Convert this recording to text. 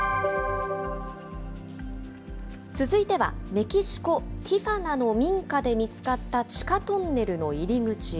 続いては、メキシコ・ティファナの民家で見つかった地下トンネルの入り口。